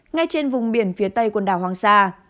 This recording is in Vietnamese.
ngay trên vùng biển phía tây quần đảo hoàng sa